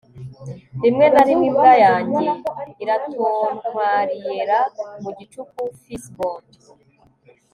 rimwe na rimwe imbwa yanjye iratonntwaliera mu gicuku fcbond